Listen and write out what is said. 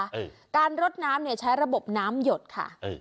เออการรดน้ำเนี่ยใช้ระบบน้ำหยดค่ะเออ